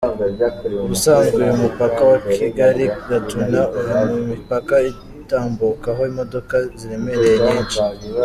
Ubusanzwe uyu mupaka wa Kigali Gatuna uri mu mipaka itambukaho imodoka ziremereye nyinshi.